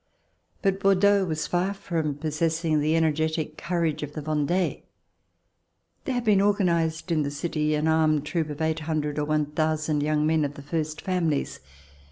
But Bordeaux was far from possessing the energetic courage of the Vendee. There had been organized In the city an armed troop of eight hundred or one thousand young men of the first families.